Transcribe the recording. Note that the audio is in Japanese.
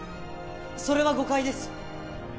それは誤解です